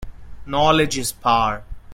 Knowledge is power.